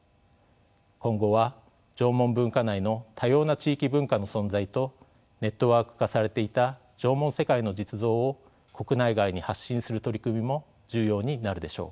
今後は縄文文化内の多様な地域文化の存在とネットワーク化されていた縄文世界の実像を国内外に発信する取り組みも重要になるでしょう。